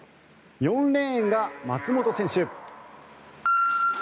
４レーンが松元選手。